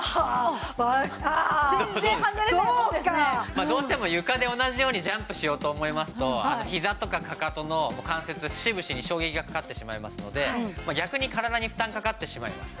まあどうしても床で同じようにジャンプしようと思いますとひざとかかかとの関節節々に衝撃がかかってしまいますので逆に体に負担がかかってしまいます。